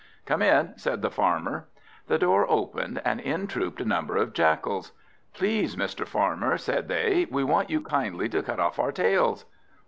"Come in!" said the Farmer. The door opened, and in trooped a number of Jackals. "Please, Mr. Farmer," said they, "we want you kindly to cut off our tails."